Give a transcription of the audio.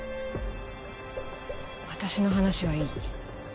私の話はいい。